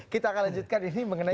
kita akan lanjutkan ini mengenai